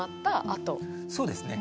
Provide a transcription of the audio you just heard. そうですね。